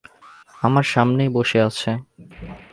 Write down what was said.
আমার সামনেই বসে আছে!